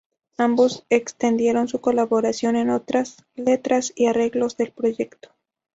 Ambos extendieron su colaboración en otras letras y arreglos del proyecto.